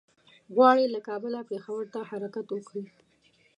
غواړي له کابله پېښور ته حرکت وکړي.